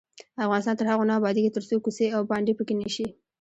افغانستان تر هغو نه ابادیږي، ترڅو کوڅې او بانډې پاکې نشي.